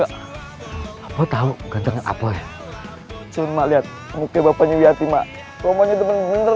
apa tahu ganteng apa cuma lihat muka bapaknya yanti mak soalnya bener bener